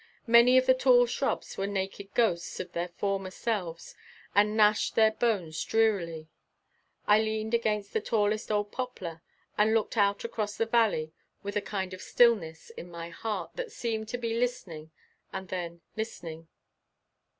Many of the tall shrubs were naked ghosts of their former selves and gnashed their bones drearily. I leaned against the tallest old poplar and looked out across the valley with a kind of stillness in my heart that seemed to be listening and then listening.